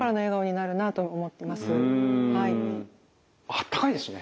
あったかいですね。